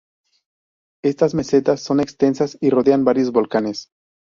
Estas mesetas son extensas y rodean varios volcanes.